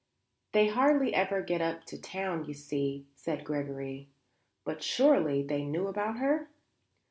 "They hardly ever get up to town, you see," said Gregory. "But surely they knew about her?"